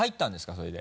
それで。